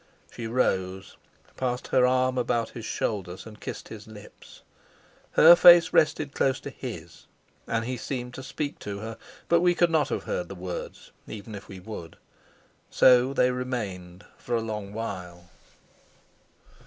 She rose, passed her arm about his shoulders, and kissed his lips. Her face rested close to his, and he seemed to speak to her, but we could not have heard the words even if we would. So they remained for a long while.